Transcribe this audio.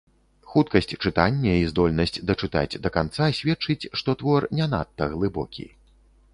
Хуткасць чытання і здольнасць дачытаць да канца сведчыць, што твор не надта глыбокі.